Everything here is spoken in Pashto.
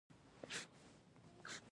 احمد يې بې پردې کړ.